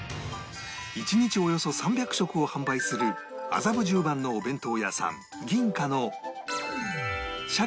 １日およそ３００食を販売する麻布十番のお弁当屋さんぎん香の